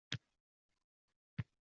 Bolalarim uchungina ajrim talab qilmadim